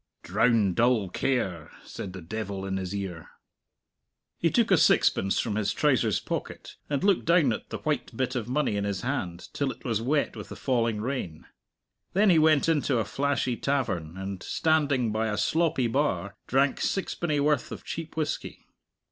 "Drown dull care," said the devil in his ear. He took a sixpence from his trousers pocket, and looked down at the white bit of money in his hand till it was wet with the falling rain. Then he went into a flashy tavern, and, standing by a sloppy bar, drank sixpenny worth of cheap whisky.